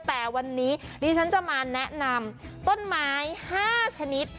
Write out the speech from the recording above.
แต่วันนี้ดิฉันจะมาแนะนำต้นไม้๕ชนิด